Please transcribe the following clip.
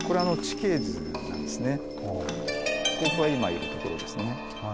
ここが今いるところですね。